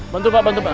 bantu pak bantu pak